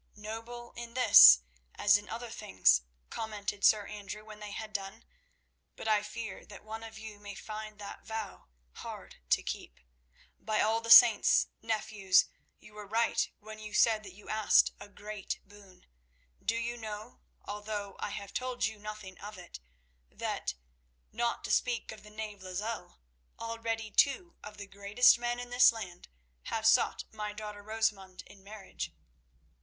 "Noble in this as in other things," commented Sir Andrew when they had done; "but I fear that one of you may find that vow hard to keep. By all the saints, nephews, you were right when you said that you asked a great boon. Do you know, although I have told you nothing of it, that, not to speak of the knave Lozelle, already two of the greatest men in this land have sought my daughter Rosamund in marriage?"